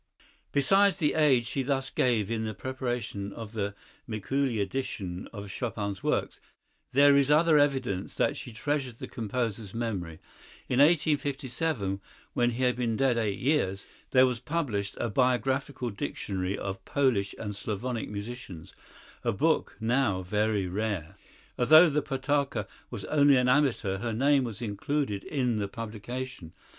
Besides the aid she thus gave in the preparation of the Mikuli edition of Chopin's works, there is other evidence that she treasured the composer's memory. In 1857, when he had been dead eight years, there was published a biographical dictionary of Polish and Slavonic musicians, a book now very rare. Although the Potocka was only an amateur, her name was included in the publication.